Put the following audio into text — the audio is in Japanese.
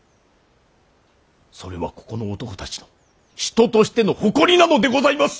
それはここの男たちの人としての誇りなのでございます！